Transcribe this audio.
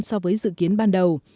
so với dự kiến ban đầu